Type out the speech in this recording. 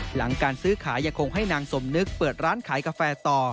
หลังการซื้อขายยังคงให้นางสมนึกเปิดร้านขายกาแฟต่อ